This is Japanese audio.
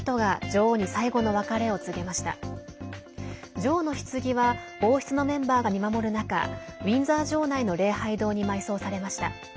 女王のひつぎは王室のメンバーが見守る中ウィンザー城内の礼拝堂に埋葬されました。